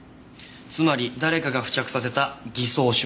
つまり誰かが付着させた偽装指紋です。